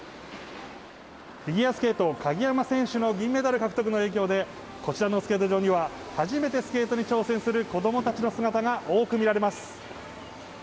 フィギュアスケート鍵山選手の銀メダル獲得の影響でこちらのスケート場には初めてスケートに挑戦する子供たちの姿が多く見られます。